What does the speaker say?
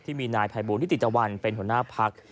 ที่มีนายภัยบูรณิติตะวันเป็นหัวหน้าพัก